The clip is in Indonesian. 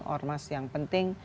ormas yang penting